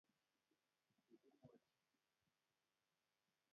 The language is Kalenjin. Kikimwochi